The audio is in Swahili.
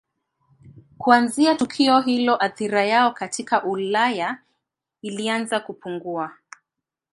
Kuanzia tukio hilo athira yao katika Ulaya ilianza kupungua.